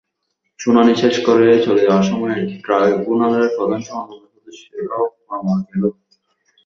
শুনানি শেষ করে চলে যাওয়ার সময় ট্রাইব্যুনালের প্রধানসহ অন্য সদস্যদেরও পাওয়া গেল।